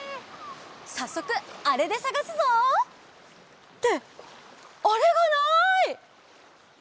さっそくあれでさがすぞ！ってあれがない！